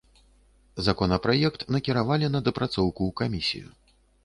Законапраект накіравалі на дапрацоўку ў камісію.